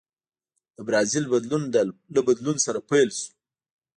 د برازیل بدلون له بدلون سره پیل شو.